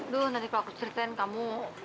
dulu nanti kalau aku ceritain kamu